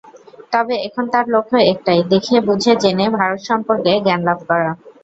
তবে এখন তাঁর লক্ষ্য একটাই—দেখে, বুঝে, জেনে ভারত সম্পর্কে জ্ঞান লাভ করা।